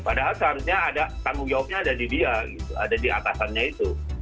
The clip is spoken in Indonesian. padahal seharusnya ada tanggung jawabnya ada di dia gitu ada di atasannya itu